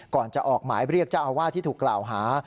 ก่อนจะออกหมายเรียกเจ้าอาวาสที่ถูกกล่าวหา